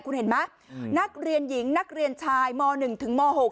คุณเห็นไหมนักเรียนหญิงนักเรียนชายม๑ถึงม๖